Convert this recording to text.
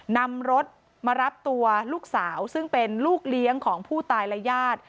นำรถมารับตัวลูกสาวซึ่งเป็นลูกเลี้ยงของผู้ตายและญาติ